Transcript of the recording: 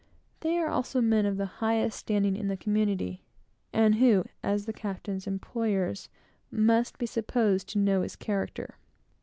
They are also men of the highest standing in the community, and who, as the captain's employers, must be supposed to know his character.